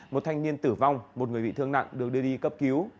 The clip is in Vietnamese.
một thanh niên tử vong một người bị thương nặng được đưa đi cấp cứu